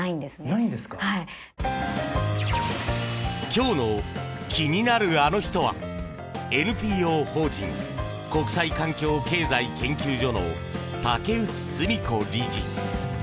今日の気になるアノ人はＮＰＯ法人国際環境経済研究所の竹内純子理事。